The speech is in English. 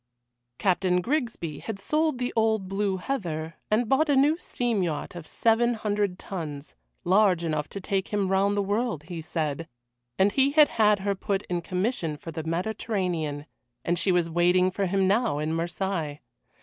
Captain Grigsby had sold the old Blue Heather and bought a new steam yacht of seven hundred tons large enough to take him round the world, he said and he had had her put in commission for the Mediterranean, and she was waiting for him now at Marseilles.